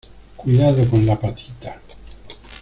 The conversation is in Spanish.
cuidado con la patita.